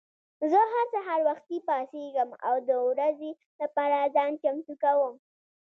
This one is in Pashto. زه هر سهار وختي پاڅېږم او د ورځې لپاره ځان چمتو کوم.